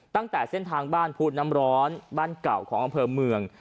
ตั้งแต่เส้นทางบ้านพูดน้ำร้อนบ้านเก่าของอำเภอเมือง